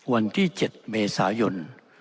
วันที่๗เมษายน๒๐๑๔